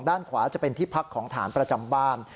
ด้านขวาจะเป็นที่พักของฐานประจำบ้าน